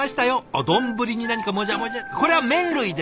おっ丼に何かもじゃもじゃこれは麺類ですね。